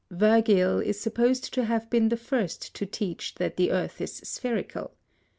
Virgil is supposed to have been the first to teach that the earth is spherical.